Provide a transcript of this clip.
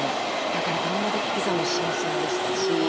だからがんもどきピザも新鮮でしたし。